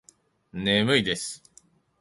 眠いです